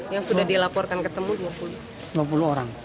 yang sudah dilaporkan ketemu dua puluh orang